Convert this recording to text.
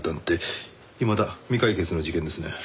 いまだ未解決の事件ですね。